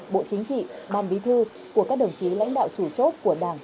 bộ chính trị ban bí thư của các đồng chí lãnh đạo chủ chốt của đảng